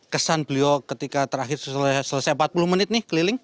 kesan beliau ketika terakhir selesai empat puluh menit nih keliling